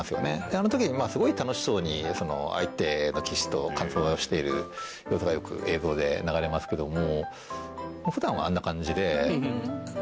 あの時、すごい楽しそうに相手の棋士と感想をしている様子がよく映像で流れますけども。